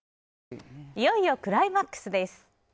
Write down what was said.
いよいよクライマックスです。